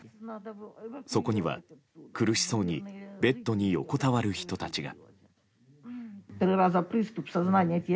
そこには苦しそうにベッドに横たわる人たちが。